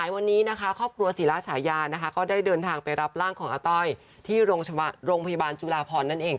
วันนี้นะคะครอบครัวศิลาฉายานะคะก็ได้เดินทางไปรับร่างของอาต้อยที่โรงพยาบาลจุลาพรนั่นเอง